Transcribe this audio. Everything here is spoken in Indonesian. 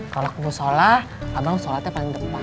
kalo aku mau sholat abang sholatnya paling depan